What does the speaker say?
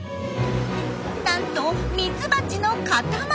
なんとミツバチの塊！